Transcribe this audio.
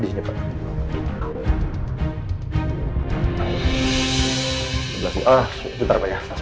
disini pak tempat kejadiannya apa disini pak